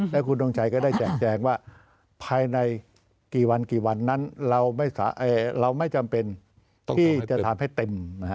และคุณทงชัยก็ได้แจกแจงว่าภายในกี่วันกี่วันนั้นเราไม่จำเป็นที่จะทำให้เต็ม